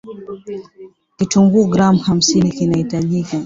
Kitunguu gram hamsini kitahitajika